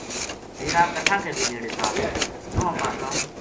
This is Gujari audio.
ڈیرا کَٹھا کے بے نیڑے تھا دوہاں پاساں